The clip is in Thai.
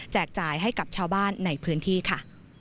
จ่ายให้กับชาวบ้านในพื้นที่ค่ะ